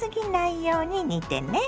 ように煮てね。